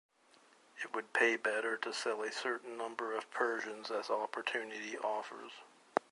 It would pay better to sell a certain number of Persians as opportunity offers.